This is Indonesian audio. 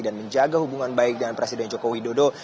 dan menjaga hubungan baik dengan presiden jokowi dodo